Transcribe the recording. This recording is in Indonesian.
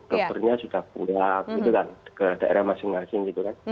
kopernya sudah pulak ke daerah masing masing